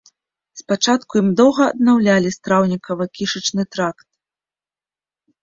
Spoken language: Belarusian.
Спачатку ім доўга аднаўлялі страўнікава-кішачны тракт.